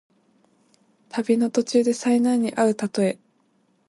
旅の途中で災難にあうたとえ。